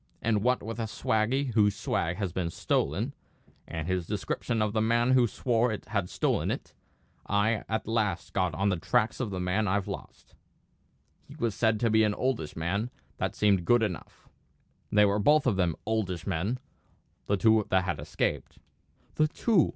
And what with a swaggy whose swag had been stolen, and his description of the man who he swore had stolen it, I at last got on the tracks of the man I've lost. He was said to be an oldish man; that seemed good enough; they were both of them oldish men, the two that had escaped." "The two!"